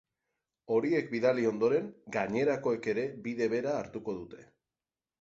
Horiek bidali ondoren, gainerakoek ere bide bera hartuko dute.